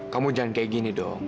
kamu jangan kayak gini dong